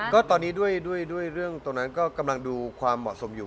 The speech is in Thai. ก็ตอนนี้ด้วยเรื่องตรงนั้นก็กำลังดูความเหมาะสมอยู่